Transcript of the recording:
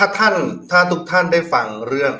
ถ้าทุกท่านได้ฟังเรื่อง